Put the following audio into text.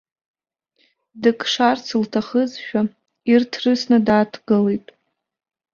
Дыкшарц лҭахызшәа, ирҭрысны дааҭгылеит.